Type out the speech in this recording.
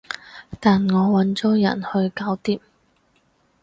但我搵咗人去搞掂